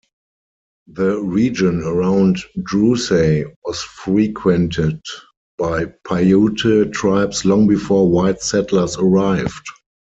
The region around Drewsey was frequented by Paiute tribes long before white settlers arrived.